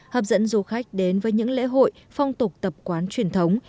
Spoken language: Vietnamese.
hấp dẫn du khách đến với những lễ hội phong tục tập quán truyền thống